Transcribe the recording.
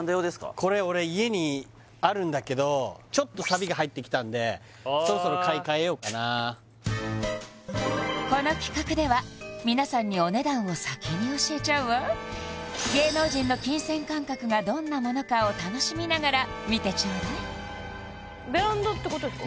これ俺家にあるんだけどちょっとサビが入ってきたんでそろそろこの企画では皆さんにお値段を先に教えちゃうわ芸能人の金銭感覚がどんなものかを楽しみながら見てちょうだいベランダってことですか？